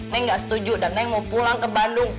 nenek gak setuju dan nenek mau pulang ke bandung